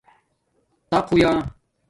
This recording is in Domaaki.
تٰق ہویئآ